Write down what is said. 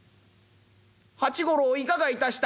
八五郎いかが致した？」。